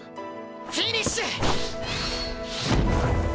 フィニッシュ！